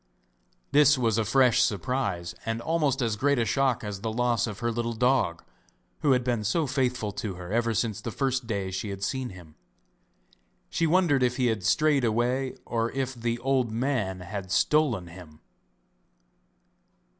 This was a fresh surprise and almost as great a shock as the loss of her little dog, who had been so faithful to her ever since the first day she had seen him. She wondered if he had strayed away or if the old man had stolen him.